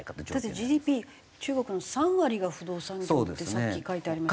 だってＧＤＰ中国の３割が不動産業ってさっき書いてありました。